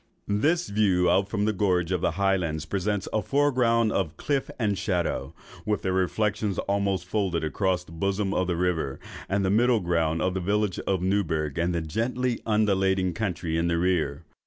This view out from the gorge of the highlands presents a foreground of cliff and shadow, with their reflections almost folded across in the bosom of the river, and a middle ground of the village of Newburgh and the gently undulating country in the rear.